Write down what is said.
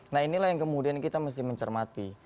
nah inilah yang kemudian kita mesti mencermati